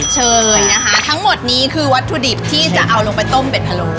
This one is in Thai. เชิญนะคะทั้งหมดนี้คือวัตถุดิบที่จะเอาลงไปต้มเด็ดพะโล